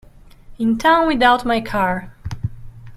In town without my car!